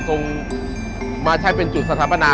ทรงมาใช้เป็นจุดสัตว์ประนะ